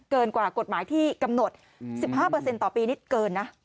เกินกว่ากฎหมายที่กำหนดสิบห้าเปอร์เซ็นต์ต่อปีนิดเกินนะ